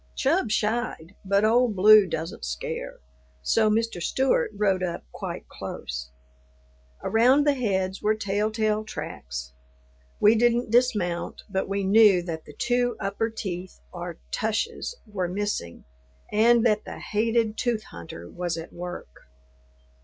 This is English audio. Chub shied, but Old Blue doesn't scare, so Mr. Stewart rode up quite close. Around the heads were tell tale tracks. We didn't dismount, but we knew that the two upper teeth or tushes were missing and that the hated tooth hunter was at work.